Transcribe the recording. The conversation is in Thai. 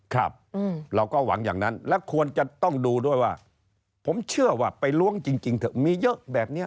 ครับเราก็หวังอย่างนั้นและควรจะต้องดูด้วยว่าผมเชื่อว่าไปล้วงจริงเถอะมีเยอะแบบนี้